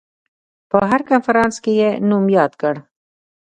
په هر کنفرانس کې یې نوم یاد کړ.